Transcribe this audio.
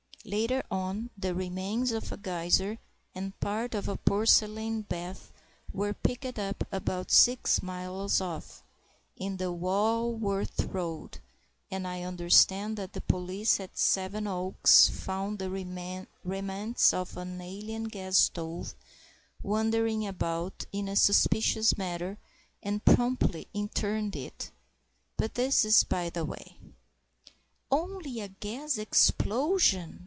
[Later on, the remains of a geyser and part of a porcelain bath were picked up about six miles off, in the Walworth Road; and I understand that the police at Sevenoaks found the remnants of an alien gas stove wandering about in a suspicious manner, and promptly interned it. But this is by the way.] "Only a gas explosion!"